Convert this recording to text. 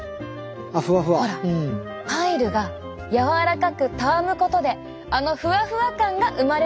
ほらパイルが柔らかくたわむことであのふわふわ感が生まれるんです。